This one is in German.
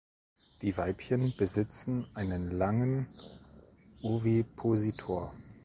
Die Weibchen besitzen einen langen Ovipositor.